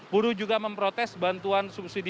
buruh juga memprotes bantuan subsidi